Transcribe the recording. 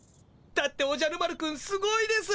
だっておじゃる丸くんすごいです。